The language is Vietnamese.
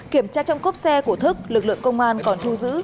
kiểm tra trong cốp xe của thức lực lượng công an còn thu giữ